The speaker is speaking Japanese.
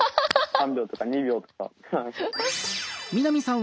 ３秒とか２秒とか。